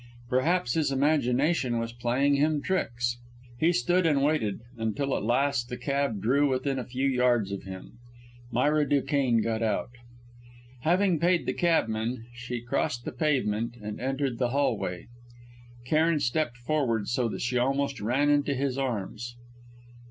Perhaps his imagination was playing him tricks. He stood and waited, until at last the cab drew up within a few yards of him. Myra Duquesne got out. Having paid the cabman, she crossed the pavement and entered the hall way. Cairn stepped forward so that she almost ran into his arms.